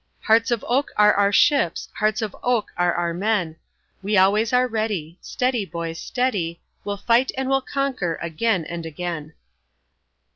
Hearts of oak are our ships, hearts of oak are our men, We always are ready, Steady, boys, steady, We'll fight and we'll conquer again and again.